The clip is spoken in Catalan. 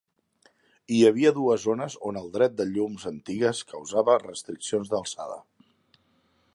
Hi havia dues zones on el dret de llums antigues causava restriccions d'alçada.